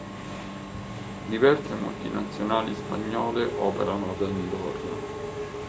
Diverse multinazionali spagnole operano ad Andorra.